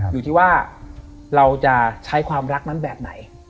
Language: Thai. อยู่ที่ว่าเราจะใช้ความรักนั้นแบบไหน